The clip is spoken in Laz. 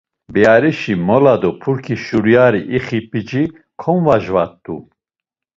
Bearişi mola do purki şuriari ixi p̌ici komvajvat̆u.